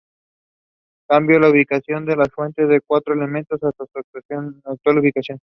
Cambió la ubicación de la fuente de los Cuatro Elementos hasta su actual ubicación.